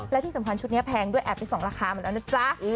และที่สำคัญชุดนี้แพงด้วยแอบไป๒ราคาหมดแล้วนะจ๊ะ